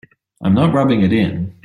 I'm not rubbing it in.